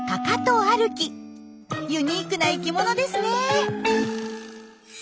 ユニークな生きものですね。